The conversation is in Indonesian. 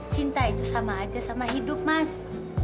cinta itu sama aja sama hidup mas